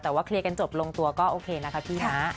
แต่ว่าเคลียร์กันจบลงตัวก็โอเคนะคะพี่นะ